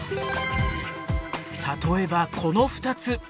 例えばこの２つ。